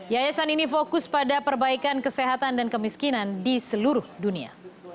yayasan ini fokus pada perbaikan kesehatan dan kemiskinan di seluruh dunia